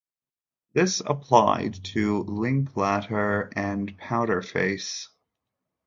This applied to Linklater and Powderface.